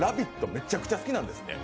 めちゃくちゃ好きなんですって。